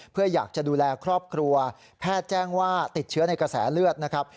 เพื่ออยากจะดูแลครอบครัวแพทย์แจ้งว่าติดเชื้อในกระแสเลือดนะครับ